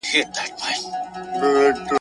چي ناوخته به هیلۍ کله راتللې ,